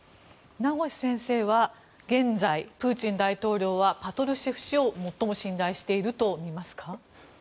名越先生は現在プーチン大統領はパトルシェフ氏を最も信頼しているとみますか。